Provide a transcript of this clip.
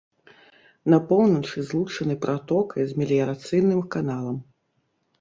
На поўначы злучаны пратокай з меліярацыйным каналам.